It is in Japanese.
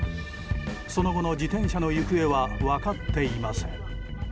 その後の自転車の行方は分かっていません。